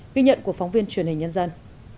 ghi nhận của phóng viên truyền hình nhân dân